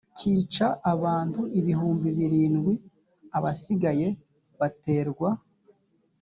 cyica abantu ibihumbi birindwi abasigaye baterwa